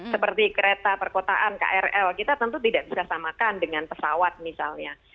seperti kereta perkotaan krl kita tentu tidak bisa samakan dengan pesawat misalnya